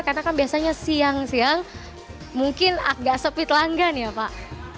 karena kan biasanya siang siang mungkin agak sepi pelanggan ya pak